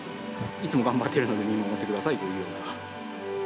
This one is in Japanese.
いつも頑張ってるので、見守ってくださいというような。